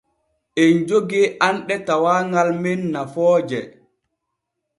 Em jogee anɗe tawaagal men nafooje.